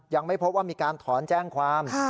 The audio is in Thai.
ยังไม่พบว่ามีการถอนแจ้งความ